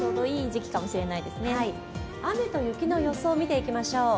雨と雪の予想見ていきましょう。